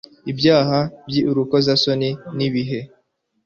ibyaha by'urukozasoni ni ibihe